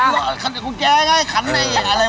ขันกูแก้ง่ายขันอะไร